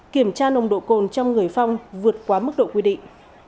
kiểm tra nồng độ cồn trong người phong vượt quá mức độ quy định